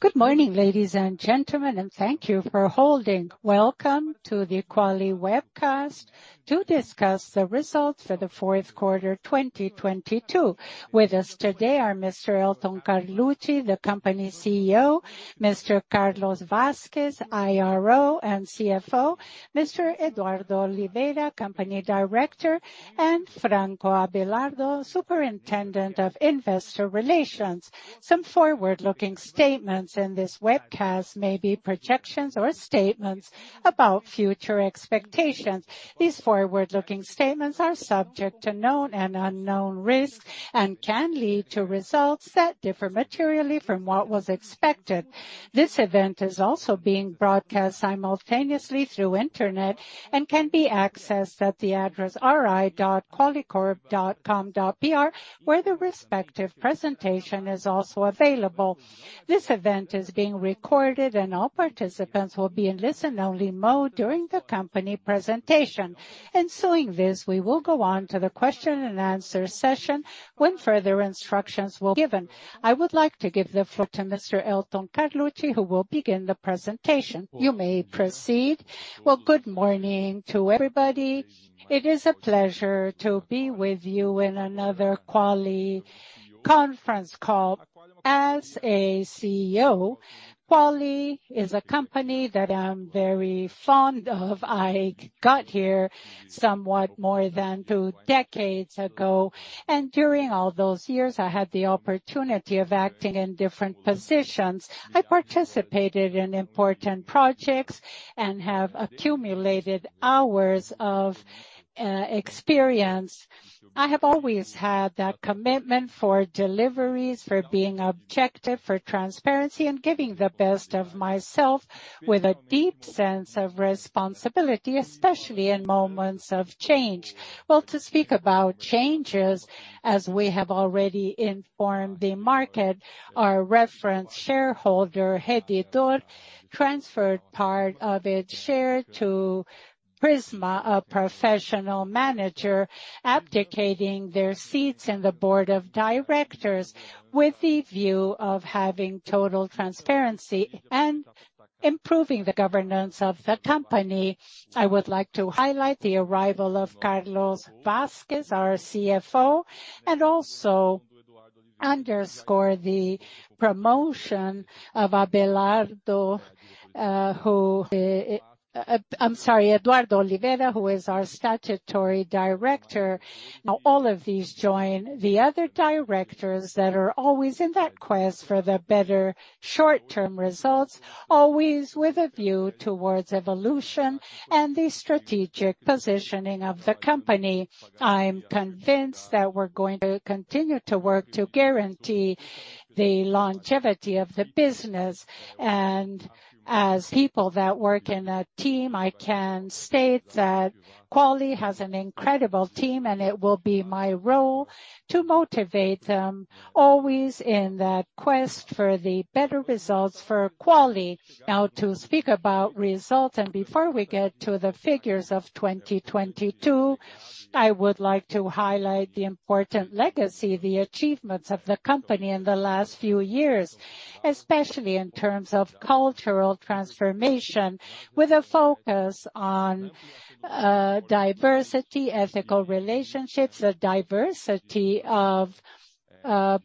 Good morning, ladies and gentlemen. Thank you for holding. Welcome to the Quali webcast to discuss the results for the fourth quarter 2022. With us today are Mr. Elton Carluci, the company CEO, Mr. Frederico Oldani, IRO and CFO, Mr. Eduardo Oliveira, company Director, and Franco Abelardo, Superintendent of Investor Relations. Some forward-looking statements in this webcast may be projections or statements about future expectations. These forward-looking statements are subject to known and unknown risks and can lead to results that differ materially from what was expected. This event is also being broadcast simultaneously through internet and can be accessed at the address ri.qualicorp.com.br, where the respective presentation is also available. This event is being recorded and all participants will be in listen-only mode during the company presentation. Ensuing this, we will go on to the question-and-answer session when further instructions will be given. I would like to give the floor to Mr. Elton Carluci, who will begin the presentation. You may proceed. Well, good morning to everybody. It is a pleasure to be with you in another Quali conference call. As a CEO, Quali is a company that I'm very fond of. I got here somewhat more than 2 decades ago, and during all those years, I had the opportunity of acting in different positions. I participated in important projects and have accumulated hours of experience. I have always had that commitment for deliveries, for being objective, for transparency, and giving the best of myself with a deep sense of responsibility, especially in moments of change. Well, to speak about changes, as we have already informed the market, our reference shareholder, Rede D'Or, transferred part of its share to Prisma, a professional manager, abdicating their seats in the board of directors with the view of having total transparency and improving the governance of the company. I would like to highlight the arrival of Carlos Vasquez, our CFO, and also underscore the promotion of Abelardo, who, I'm sorry, Eduardo Oliveira, who is our statutory director. Now, all of these join the other directors that are always in that quest for the better short-term results, always with a view towards evolution and the strategic positioning of the company. I'm convinced that we're going to continue to work to guarantee the longevity of the business. As people that work in a team, I can state that Quali has an incredible team, and it will be my role to motivate them always in that quest for the better results for Quali. To speak about results, before we get to the figures of 2022, I would like to highlight the important legacy, the achievements of the company in the last few years, especially in terms of cultural transformation with a focus on diversity, ethical relationships, a diversity of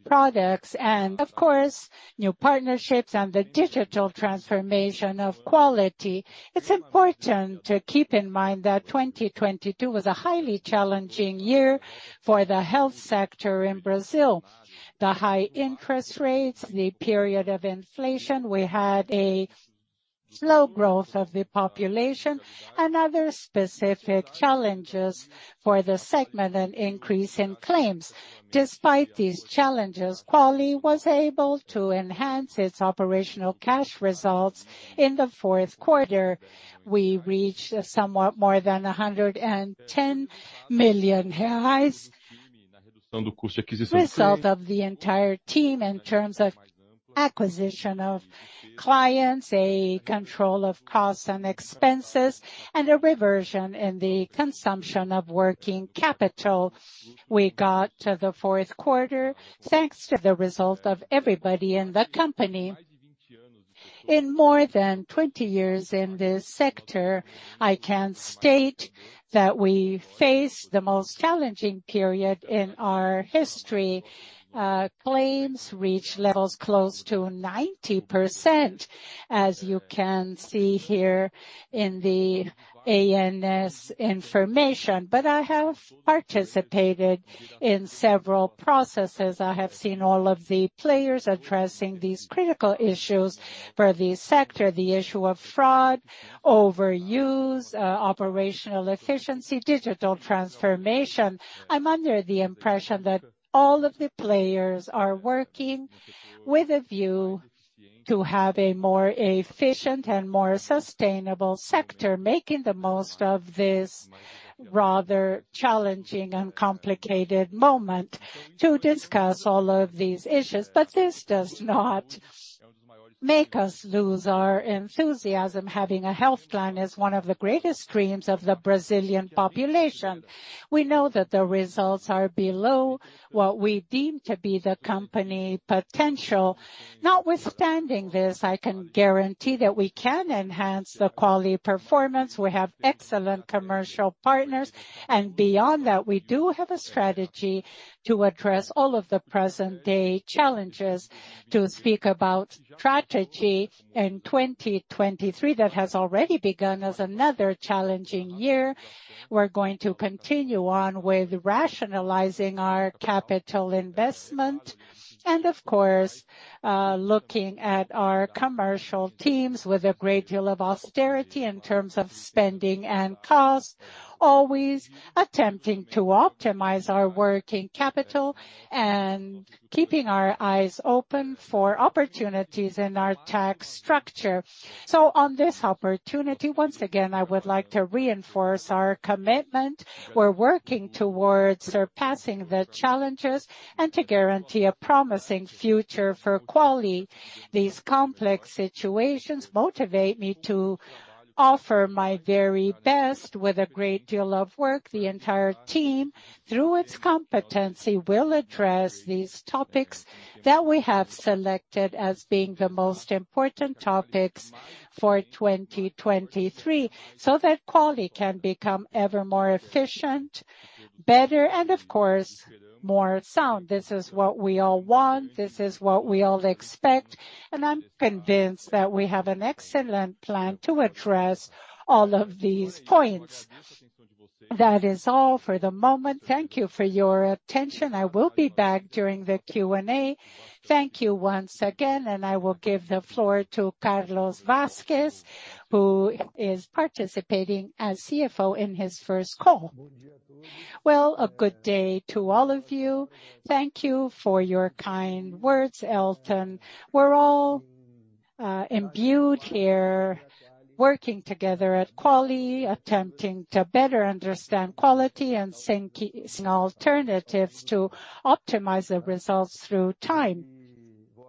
products, and of course, new partnerships and the digital transformation of Quali. It's important to keep in mind that 2022 was a highly challenging year for the health sector in Brazil. The high interest rates, the period of inflation, we had a slow growth of the population and other specific challenges for the segment, an increase in claims. Despite these challenges, Quali was able to enhance its operational cash results. In the fourth quarter, we reached somewhat more than 110 million reais. Result of the entire team in terms of acquisition of clients, a control of costs and expenses, and a reversion in the consumption of working capital. We got to the fourth quarter, thanks to the result of everybody in the company. In more than 20 years in this sector, I can state that we faced the most challenging period in our history. Claims reached levels close to 90%, as you can see here in the ANS information. I have participated in several processes. I have seen all of the players addressing these critical issues for the sector, the issue of fraud, overuse, operational efficiency, digital transformation. I'm under the impression that all of the players are working with a view to have a more efficient and more sustainable sector, making the most of this rather challenging and complicated moment to discuss all of these issues. This does not make us lose our enthusiasm. Having a health plan is one of the greatest dreams of the Brazilian population. We know that the results are below what we deem to be the company potential. Notwithstanding this, I can guarantee that we can enhance the quality performance. We have excellent commercial partners, and beyond that, we do have a strategy to address all of the present day challenges. To speak about strategy in 2023, that has already begun as another challenging year. We're going to continue on with rationalizing our capital investment and of course, looking at our commercial teams with a great deal of austerity in terms of spending and cost, always attempting to optimize our working capital and keeping our eyes open for opportunities in our tax structure. On this opportunity, once again, I would like to reinforce our commitment. We're working towards surpassing the challenges and to guarantee a promising future for Quali. These complex situations motivate me to offer my very best with a great deal of work. The entire team, through its competency, will address these topics that we have selected as being the most important topics for 2023, so that Quali can become ever more efficient, better, and of course, more sound. This is what we all want, this is what we all expect. I'm convinced that we have an excellent plan to address all of these points. That is all for the moment. Thank you for your attention. I will be back during the Q&A. Thank you once again. I will give the floor to Frederico Oldani, who is participating as CFO in his first call. Well, a good day to all of you. Thank you for your kind words, Elton. We're all imbued here, working together at Quali, attempting to better understand quality and seeking alternatives to optimize the results through time.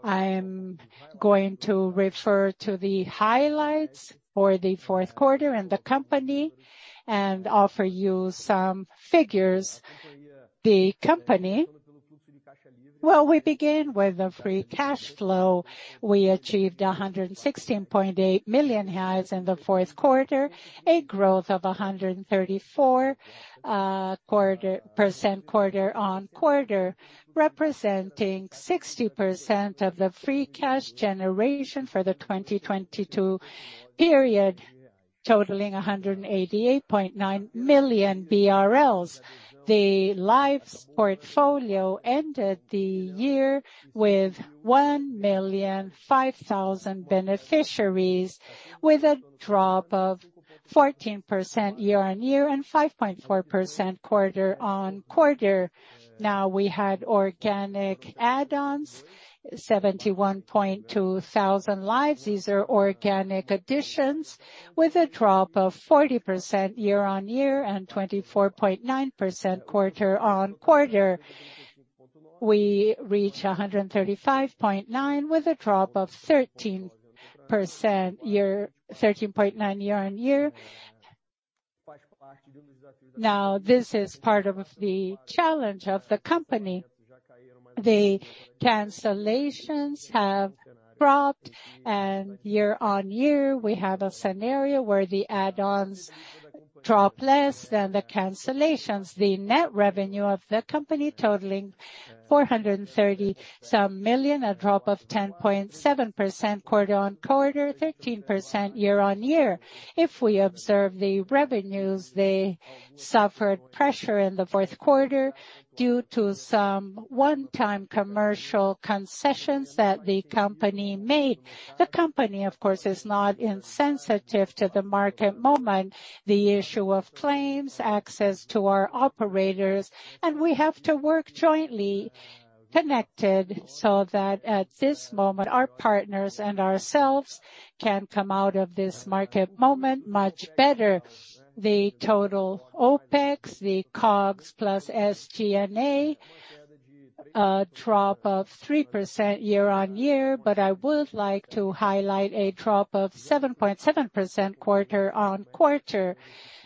I'm going to refer to the highlights for the fourth quarter and the company, and offer you some figures. Well, we begin with the free cash flow. We achieved 116.8 million in the fourth quarter, a growth of 134% quarter-on-quarter, representing 60% of the free cash generation for the 2022 period, totaling 188.9 million BRL. The lives portfolio ended the year with 1,005,000 beneficiaries, with a drop of 14% year-on-year and 5.4% quarter-on-quarter. We had organic add-ons, 71.2 thousand lives. These are organic additions with a drop of 40% year-on-year and 24.9% quarter-on-quarter. We reach 135.9 with a drop of 13.9% year-on-year. This is part of the challenge of the company. The cancellations have dropped and year-on-year, we have a scenario where the add-ons drop less than the cancellations. The net revenue of the company totaling 430 some million, a drop of 10.7% quarter on quarter, 13% year-on-year. If we observe the revenues, they suffered pressure in the fourth quarter due to some one-time commercial concessions that the company made. The company, of course, is not insensitive to the market moment, the issue of claims, access to our operators, and we have to work jointly connected so that at this moment, our partners and ourselves can come out of this market moment much better. The total OpEx, the COGS plus SG&A, a drop of 3% year-on-year. I would like to highlight a drop of 7.7% quarter on quarter.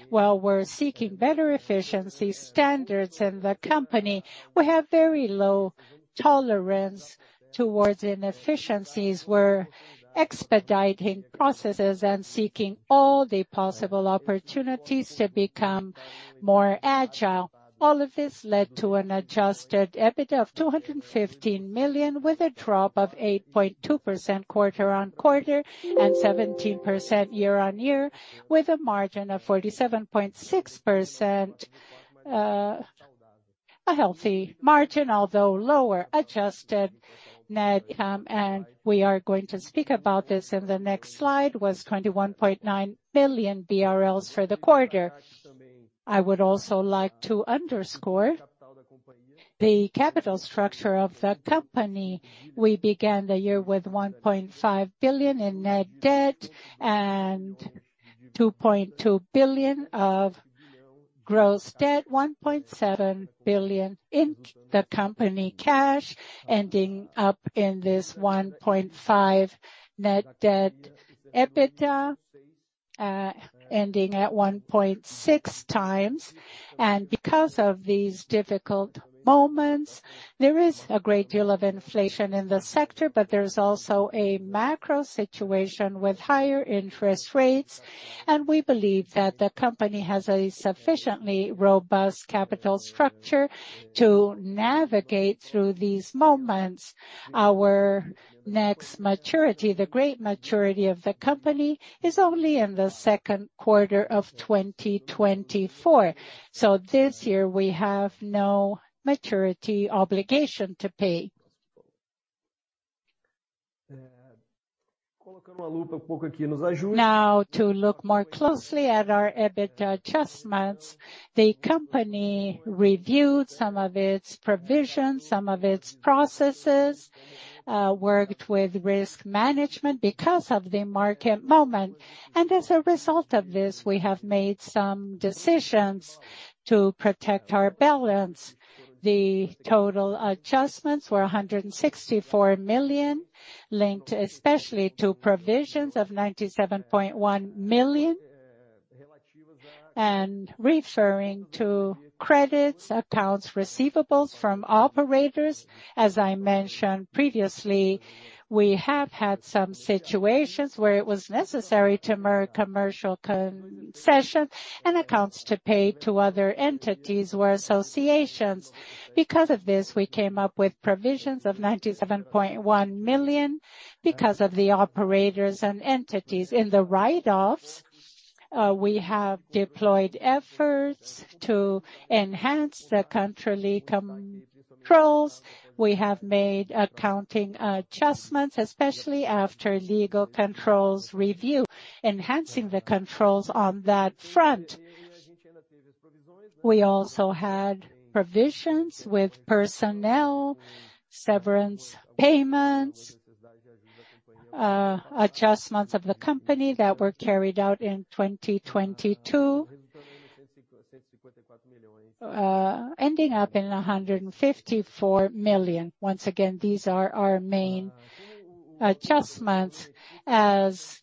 While we're seeking better efficiency standards in the company, we have very low tolerance towards inefficiencies. We're expediting processes and seeking all the possible opportunities to become more agile. All of this led to an adjusted EBITDA of 215 million, with a drop of 8.2% quarter-on-quarter and 17% year-on-year, with a margin of 47.6%. A healthy margin, although lower adjusted net. We are going to speak about this in the next slide, was 21.9 billion BRL for the quarter. I would also like to underscore the capital structure of the company. We began the year with 1.5 billion in net debt and 2.2 billion of gross debt, 1.7 billion in the company cash, ending up in this 1.5 billion net debt. EBITDA, ending at 1.6x. Because of these difficult moments, there is a great deal of inflation in the sector, but there's also a macro situation with higher interest rates. We believe that the company has a sufficiently robust capital structure to navigate through these moments. Our next maturity, the great maturity of the company, is only in 2Q 2024. This year we have no maturity obligation to pay. Now, to look more closely at our EBITDA adjustments, the company reviewed some of its provisions, some of its processes, worked with risk management because of the market moment. As a result of this, we have made some decisions to protect our balance. The total adjustments were 164 million, linked especially to provisions of 97.1 million. Referring to credits, accounts receivables from operators. As I mentioned previously, we have had some situations where it was necessary to merge commercial concession and accounts to pay to other entities or associations. We came up with provisions of 97.1 million because of the operators and entities. In the write-offs, we have deployed efforts to enhance the country controls. We have made accounting adjustments, especially after legal controls review, enhancing the controls on that front. We also had provisions with personnel, severance payments, adjustments of the company that were carried out in 2022, ending up in 154 million. Once again, these are our main adjustments. As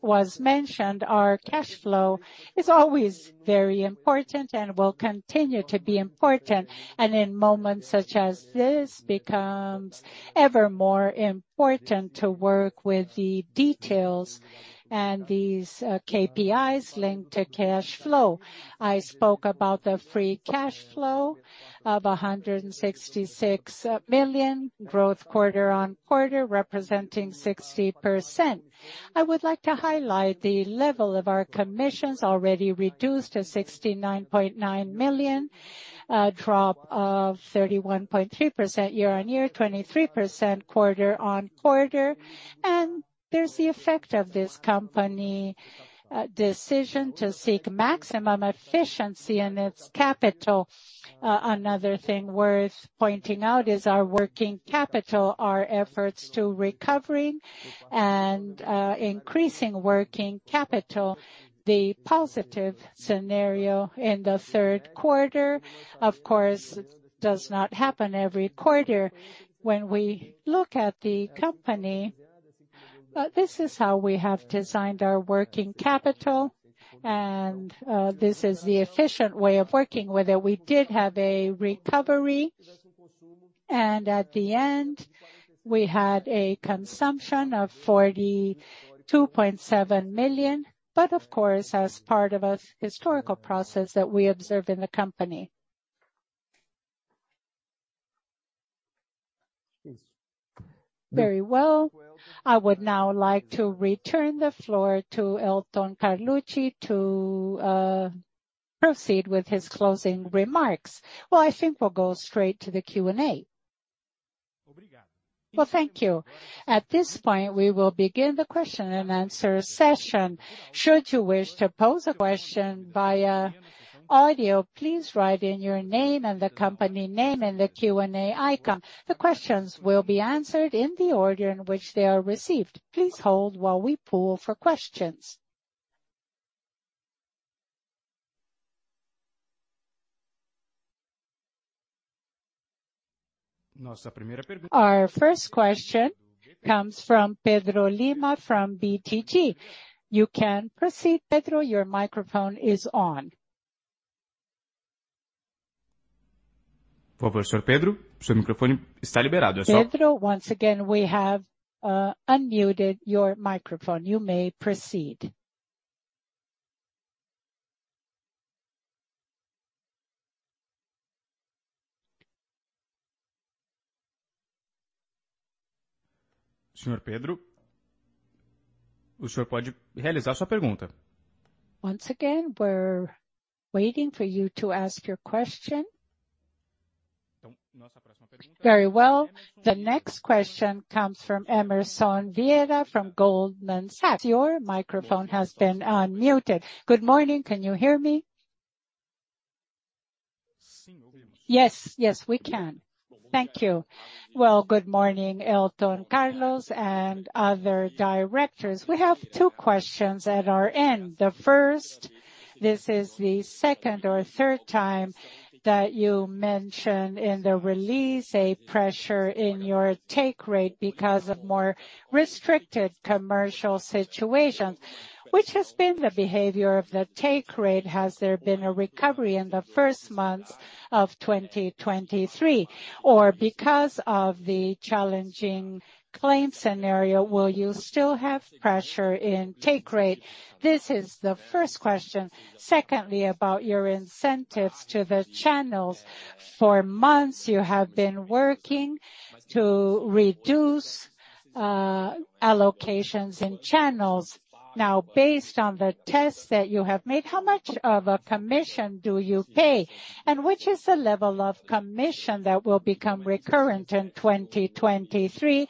was mentioned, our cash flow is always very important and will continue to be important. In moments such as this, becomes ever more important to work with the details and these KPIs linked to cash flow. I spoke about the free cash flow of 166 million growth quarter-on-quarter, representing 60%. I would like to highlight the level of our commissions already reduced to 69.9 million, a drop of 31.3% year-on-year, 23% quarter-on-quarter. There's the effect of this company decision to seek maximum efficiency in its capital. Another thing worth pointing out is our working capital, our efforts to recovering and increasing working capital. The positive scenario in the third quarter, of course, does not happen every quarter. When we look at the company, this is how we have designed our working capital. This is the efficient way of working, whether we did have a recovery. At the end, we had a consumption of 42.7 million, of course, as part of a historical process that we observe in the company. Very well. I would now like to return the floor to Elton Carluci to proceed with his closing remarks. Well, I think we'll go straight to the Q&A. Well, thank you. At this point, we will begin the question and answer session. Should you wish to pose a question via audio, please write in your name and the company name in the Q&A icon. The questions will be answered in the order in which they are received. Please hold while we poll for questions. Our first question comes from Pedro Lima, from BTG. You can proceed, Pedro. Your microphone is on. Pedro, once again, we have unmuted your microphone. You may proceed. Once again, we're waiting for you to ask your question. Very well. The next question comes from Emerson Vieira from Goldman Sachs. Your microphone has been unmuted. Good morning. Can you hear me? Yes. Yes, we can. Thank you. Well, good morning, Elton, Carlos, and other directors. We have two questions at our end. The first, this is the second or third time that you mentioned in the release a pressure in your take rate because of more restricted commercial situations. Which has been the behavior of the take rate? Has there been a recovery in the first months of 2023? Because of the challenging claim scenario, will you still have pressure in take rate? This is the first question. Secondly, about your incentives to the channels. For months, you have been working to reduce allocations in channels. Now, based on the tests that you have made, how much of a commission do you pay? Which is the level of commission that will become recurrent in 2023?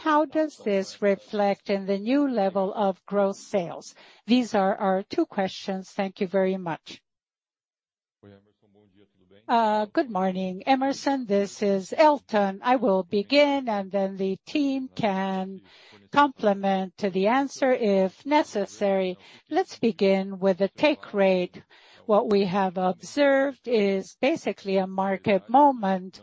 How does this reflect in the new level of growth sales? These are our two questions. Thank you very much. Good morning, Emerson. This is Elton. I will begin, then the team can complement to the answer if necessary. Let's begin with the take rate. What we have observed is basically a market moment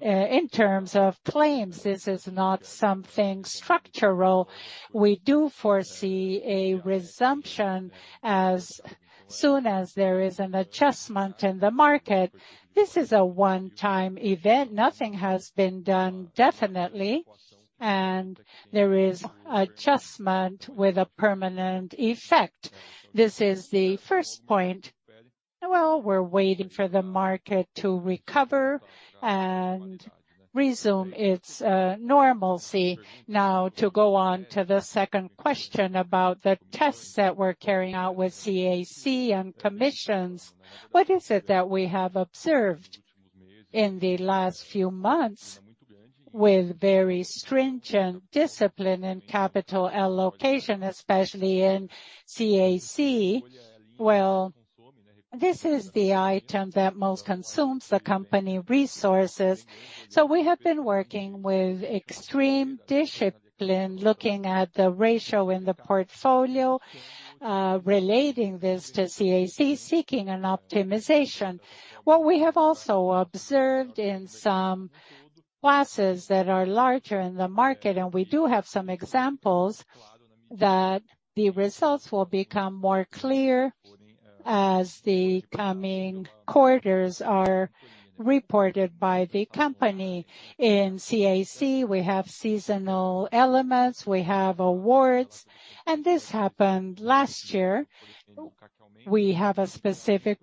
in terms of claims. This is not something structural. We do foresee a resumption as soon as there is an adjustment in the market. This is a one-time event. Nothing has been done definitely, there is adjustment with a permanent effect. This is the first point. Well, we're waiting for the market to recover and resume its normalcy. To go on to the second question about the tests that we are carrying out with CAC and commissions, what is it that we have observed in the last few months with very stringent discipline in capital allocation, especially in CAC? Well, this is the item that most consumes the company resources. We have been working with extreme discipline, looking at the ratio in the portfolio, relating this to CAC, seeking an optimization. What we have also observed in some classes that are larger in the market, and we do have some examples, that the results will become more clear as the coming quarters are reported by the company. In CAC, we have seasonal elements, we have awards, and this happened last year. We have a specific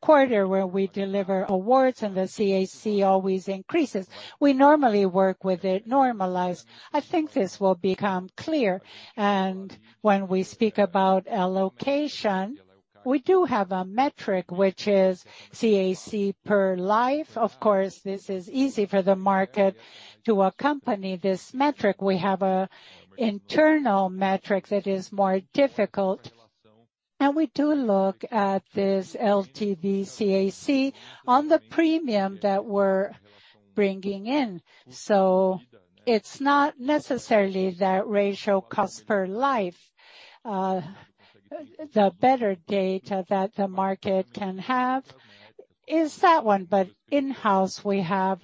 quarter where we deliver awards and the CAC always increases. We normally work with it normalized. I think this will become clear. When we speak about allocation, we do have a metric which is CAC per life. Of course, this is easy for the market to accompany this metric. We have a internal metric that is more difficult. We do look at this LTV CAC on the premium that we're bringing in. It's not necessarily that ratio cost per life. The better data that the market can have is that one. In-house, we have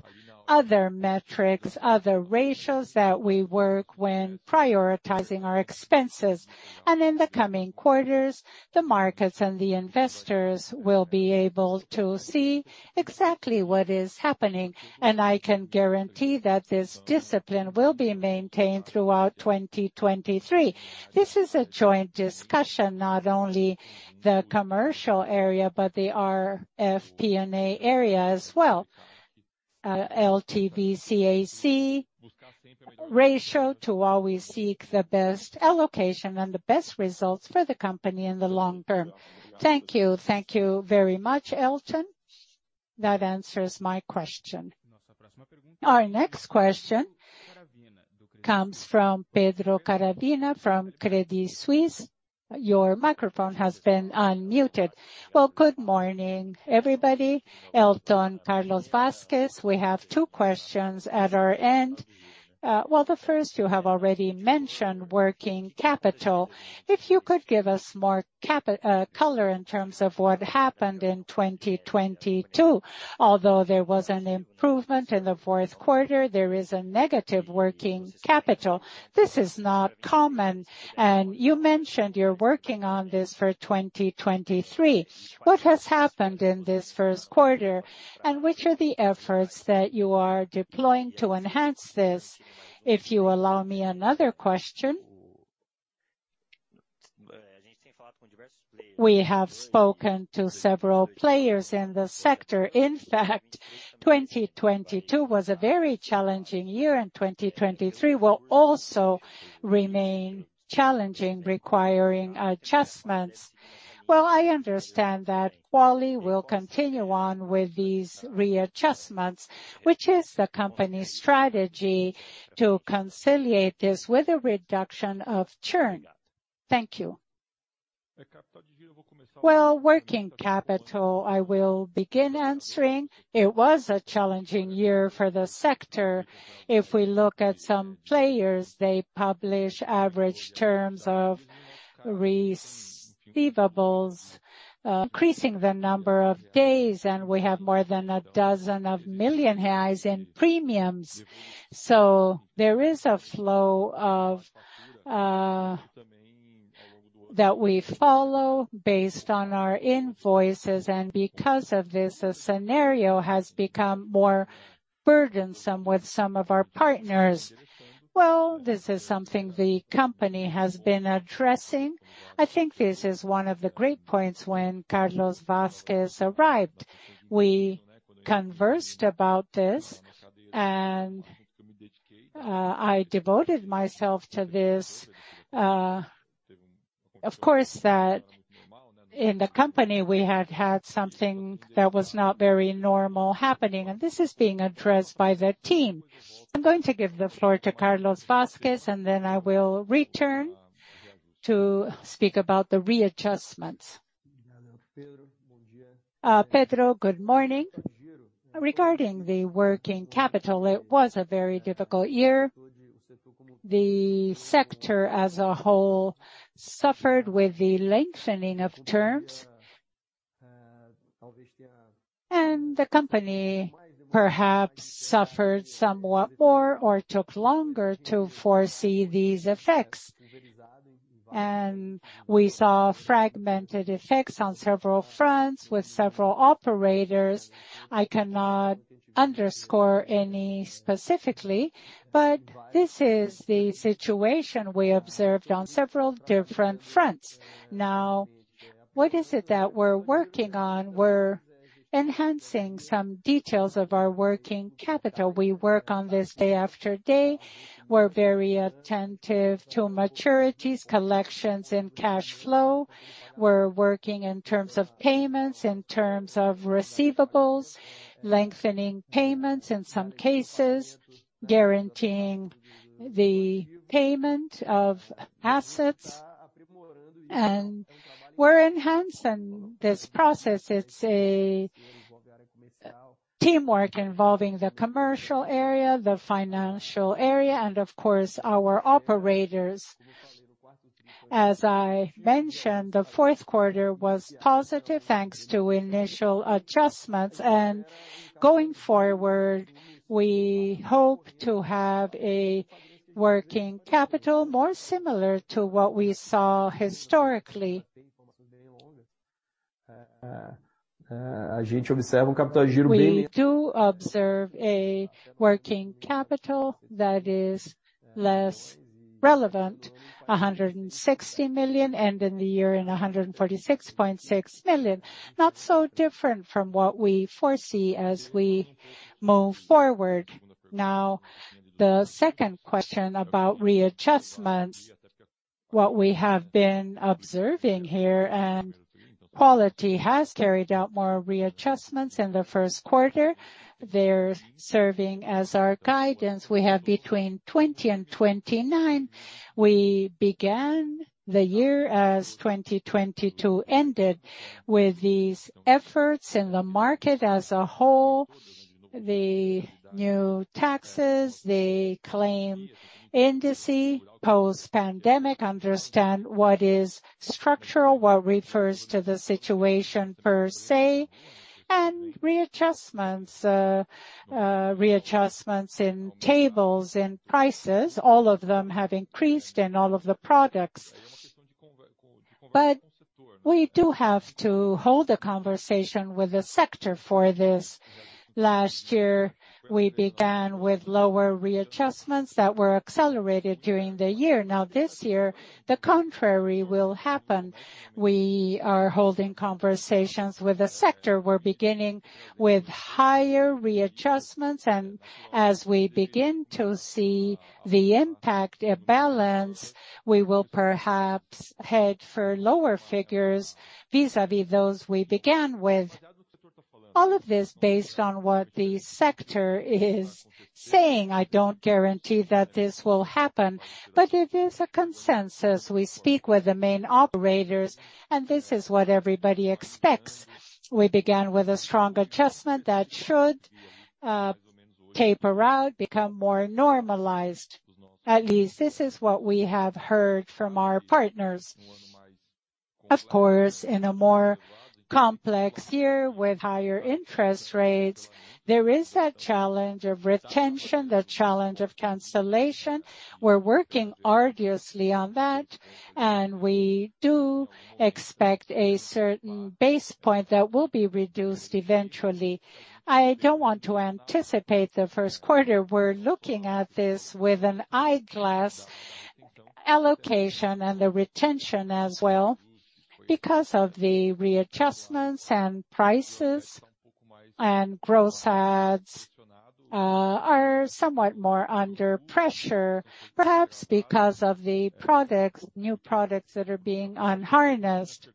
other metrics, other ratios that we work when prioritizing our expenses. In the coming quarters, the markets and the investors will be able to see exactly what is happening. I can guarantee that this discipline will be maintained throughout 2023. This is a joint discussion, not only the commercial area, but the FP&A area as well. LTV CAC ratio to always seek the best allocation and the best results for the company in the long term. Thank you. Thank you very much, Elton. That answers my question. Our next question comes from Pedro Caravina from Credit Suisse. Your microphone has been unmuted. Well, good morning, everybody. Elton, Carlos Vasquez. We have two questions at our end. Well, the first you have already mentioned, working capital. If you could give us more color in terms of what happened in 2022. Although there was an improvement in the fourth quarter, there is a negative working capital. This is not common. You mentioned you're working on this for 2023. What has happened in this first quarter? Which are the efforts that you are deploying to enhance this? If you allow me another question. We have spoken to several players in the sector. In fact, 2022 was a very challenging year, and 2023 will also remain challenging, requiring adjustments. Well, I understand that Quali will continue on with these readjustments, which is the company's strategy to conciliate this with a reduction of churn. Thank you. Well, working capital, I will begin answering. It was a challenging year for the sector. If we look at some players, they publish average terms of receivables, increasing the number of days, and we have more than 12 million in premiums. There is a flow of that we follow based on our invoices, and because of this, the scenario has become more burdensome with some of our partners. Well, this is something the company has been addressing. I think this is one of the great points when Frederico Oldani arrived. We conversed about this, and I devoted myself to this. Of course that in the company, we had had something that was not very normal happening, and this is being addressed by the team. I'm going to give the floor to Frederico Oldani, and then I will return to speak about the readjustments. Pedro, good morning. Regarding the working capital, it was a very difficult year. The sector as a whole suffered with the lengthening of terms. The company perhaps suffered somewhat more or took longer to foresee these effects. We saw fragmented effects on several fronts with several operators. I cannot underscore any specifically, but this is the situation we observed on several different fronts. What is it that we're working on? We're enhancing some details of our working capital. We work on this day after day. We're very attentive to maturities, collections, and cash flow. We're working in terms of payments, in terms of receivables, lengthening payments in some cases, guaranteeing the payment of assets. We're enhancing this process. It's a teamwork involving the commercial area, the financial area, and of course, our operators. As I mentioned, the fourth quarter was positive, thanks to initial adjustments. Going forward, we hope to have a working capital more similar to what we saw historically. We do observe a working capital that is less relevant, 160 million, and in the year, in 146.6 million. Not so different from what we foresee as we move forward. The second question about readjustments. What we have been observing here, Qualicorp has carried out more readjustments in the first quarter. They're serving as our guidance. We have between 20 and 29. We began the year as 2022 ended with these efforts in the market as a whole, the new taxes, the claim indices, post-pandemic, understand what is structural, what refers to the situation per se, and readjustments. Readjustments in tables, in prices, all of them have increased in all of the products. We do have to hold a conversation with the sector for this. Last year, we began with lower readjustments that were accelerated during the year. This year, the contrary will happen. We are holding conversations with the sector. We're beginning with higher readjustments, and as we begin to see the impact, a balance, we will perhaps head for lower figures vis-à-vis those we began with. All of this based on what the sector is saying. I don't guarantee that this will happen, but it is a consensus. We speak with the main operators, and this is what everybody expects. We began with a strong adjustment that should taper out, become more normalized. At least this is what we have heard from our partners. Of course, in a more complex year with higher interest rates, there is that challenge of retention, the challenge of cancellation. We're working arduously on that, and we do expect a certain base point that will be reduced eventually. I don't want to anticipate the first quarter. We're looking at this with an eyeglass allocation and the retention as well because of the readjustments and prices and gross ads are somewhat more under pressure, perhaps because of the products, new products that are being unharnessed.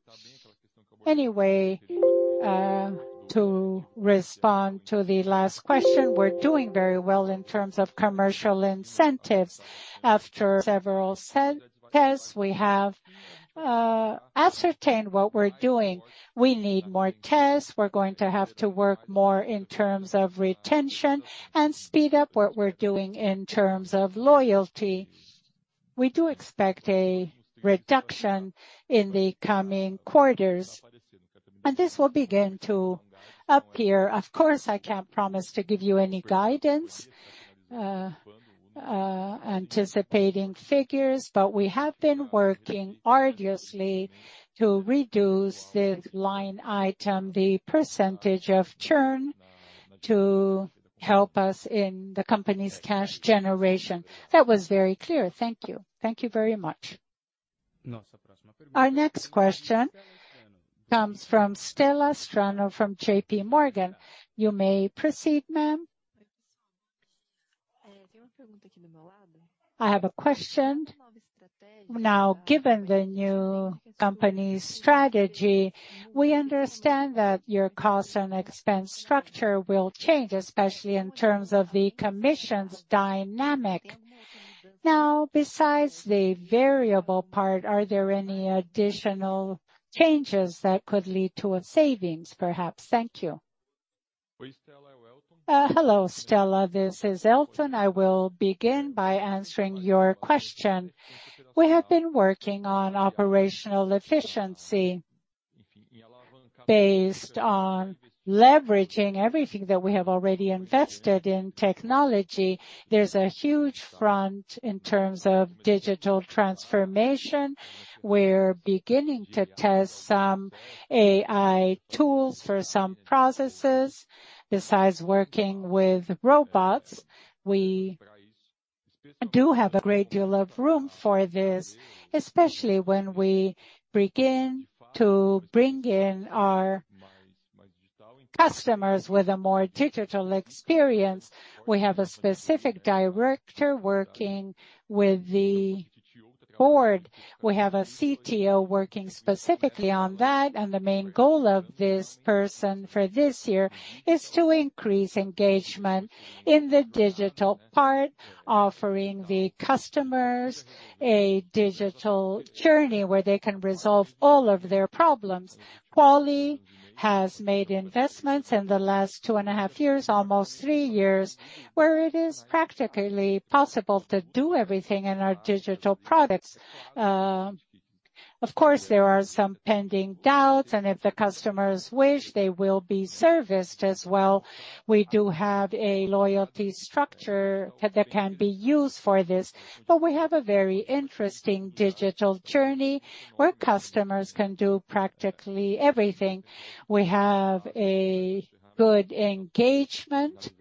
To respond to the last question, we're doing very well in terms of commercial incentives. After several tests, we have ascertained what we're doing. We need more tests. We're going to have to work more in terms of retention and speed up what we're doing in terms of loyalty. We do expect a reduction in the coming quarters, and this will begin to appear. Of course, I can't promise to give you any guidance, anticipating figures, but we have been working arduously to reduce the line item, the percentage of churn to help us in the company's cash generation. That was very clear. Thank you. Thank you very much. Our next question comes from Estela Strano from JP Morgan. You may proceed, ma'am. I have a question. Given the new company's strategy, we understand that your cost and expense structure will change, especially in terms of the commission's dynamic. Besides the variable part, are there any additional changes that could lead to a savings, perhaps? Thank you. Hello, Vinicius. This is Elton. I will begin by answering your question. We have been working on operational efficiency based on leveraging everything that we have already invested in technology. There's a huge front in terms of digital transformation. We're beginning to test some AI tools for some processes. Besides working with robots, we do have a great deal of room for this, especially when we begin to bring in our customers with a more digital experience. We have a specific director working with the board. We have a CTO working specifically on that, and the main goal of this person for this year is to increase engagement in the digital part, offering the customers a digital journey where they can resolve all of their problems. Quali has made investments in the last two and a half years, almost three years, where it is practically possible to do everything in our digital products. Of course, there are some pending doubts, and if the customers wish, they will be serviced as well. We do have a loyalty structure that can be used for this, but we have a very interesting digital journey where customers can do practically everything. We have a good engagement.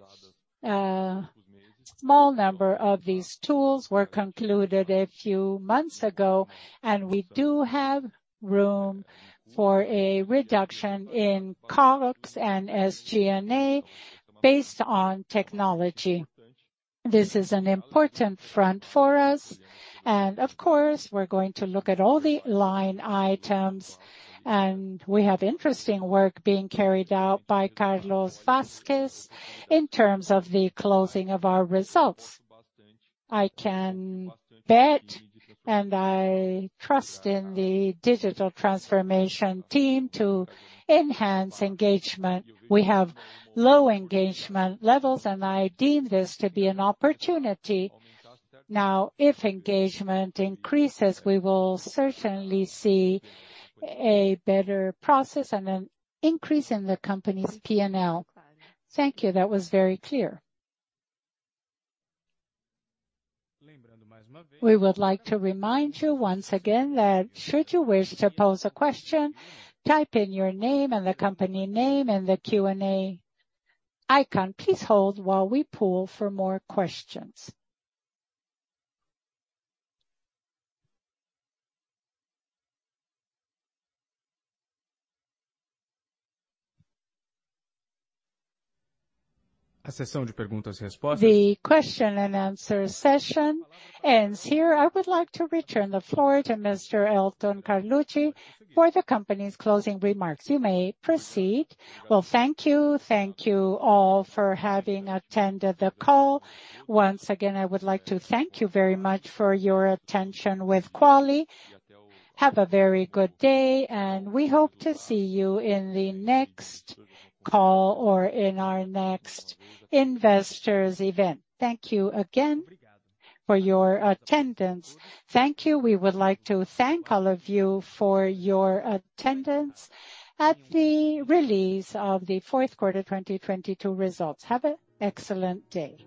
Small number of these tools were concluded a few months ago, and we do have room for a reduction in COGS and SG&A based on technology. This is an important front for us. Of course, we're going to look at all the line items, and we have interesting work being carried out by Frederico Oldani in terms of the closing of our results. I can bet, and I trust in the digital transformation team to enhance engagement. We have low engagement levels, and I deem this to be an opportunity. If engagement increases, we will certainly see a better process and an increase in the company's P&L. Thank you. That was very clear. We would like to remind you once again that should you wish to pose a question, type in your name and the company name in the Q&A icon. Please hold while we poll for more questions. The question and answer session ends here. I would like to return the floor to Mr. Elton Carluci for the company's closing remarks. You may proceed. Well, thank you. Thank you all for having attended the call. Once again, I would like to thank you very much for your attention with Quali. Have a very good day. We hope to see you in the next call or in our next investors event. Thank you again for your attendance. Thank you. We would like to thank all of you for your attendance at the release of the fourth quarter 2022 results. Have an excellent day.